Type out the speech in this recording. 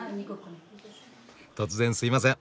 突然すいません。